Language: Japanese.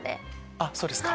あっそうですか。